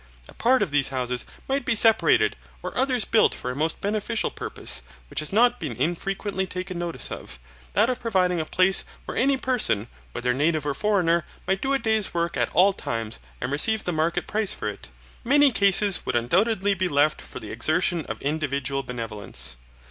A part of these houses might be separated, or others built for a most beneficial purpose, which has not been infrequently taken notice of, that of providing a place where any person, whether native or foreigner, might do a day's work at all times and receive the market price for it. Many cases would undoubtedly be left for the exertion of individual benevolence.